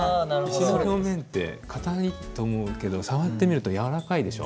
石の表面って硬いと思うけど触ってみると軟らかいでしょ？